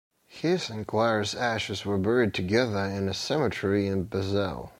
His and Clara's ashes were buried together in a cemetery in Basel.